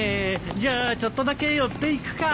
じゃあちょっとだけ寄っていくか。